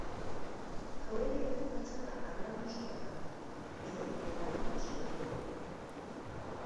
Jauregiaren fatxada harlanduzkoa da, behe eta bi solairukoa.